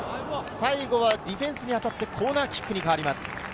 最後はディフェンスに当たってコーナーキックに変わります。